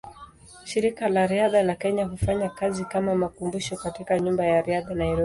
Shirika la Riadha la Kenya hufanya kazi kama makumbusho katika Nyumba ya Riadha, Nairobi.